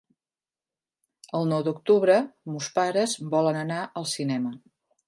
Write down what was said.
El nou d'octubre mons pares volen anar al cinema.